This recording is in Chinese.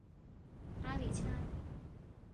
阿里恰。